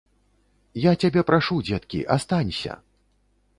Я цябе прашу, дзеткі, астанься!